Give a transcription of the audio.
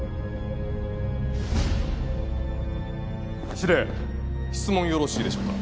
司令質問よろしいでしょうか？